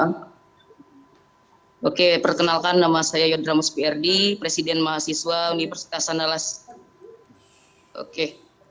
hai oke perkenalkan nama saya yodramus prd presiden mahasiswa universitas andalas oke